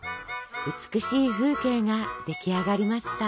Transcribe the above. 美しい風景が出来上がりました。